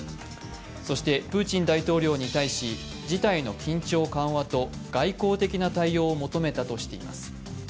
そしてプーチン大統領に対し事態の緊張緩和と外交的な対応を求めたとしています。